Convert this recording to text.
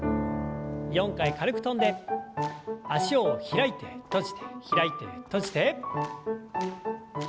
４回軽く跳んで脚を開いて閉じて開いて閉じて。